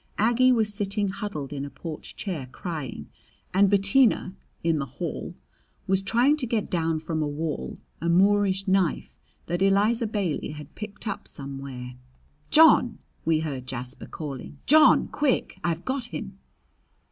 Aggie was sitting huddled in a porch chair, crying, and Bettina, in the hall, was trying to get down from the wall a Moorish knife that Eliza Bailey had picked up somewhere. "John!" we heard Jasper calling. "John! Quick! I've got him!"